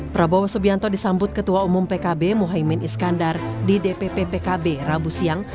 prabowo subianto disambut ketua umum pkb mohaimin iskandar di dpp pkb rabu siang